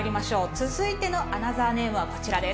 続いてのアナザーネームはこちらです。